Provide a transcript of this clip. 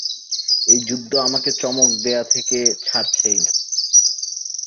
এই যুদ্ধ আমাকে চমক দেওয়া থেকে ছাড়ছেই না!